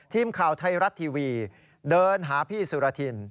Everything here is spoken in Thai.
ทีมข่าวไทยรัฐทีวีเดินหาพี่สุรทิน